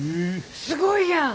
すごいやん。